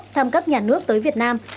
đang thăm cấp nhà nước tới việt nam